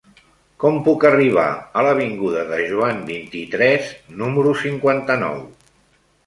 Com puc arribar a l'avinguda de Joan vint-i-tres número cinquanta-nou?